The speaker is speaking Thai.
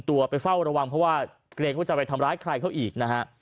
ตัวไปเฝ้าระวังเพราะว่าเกรงว่าจะไปทำร้ายใครเขาอีกนะฮะ